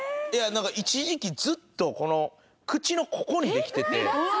一時期ずっとこの口のここにできてて。